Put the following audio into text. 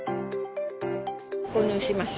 購入します。